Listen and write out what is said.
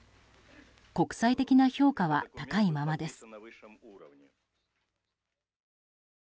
国際的な評価は高いままです。